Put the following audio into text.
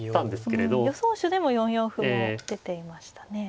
予想手でも４四歩も出ていましたね。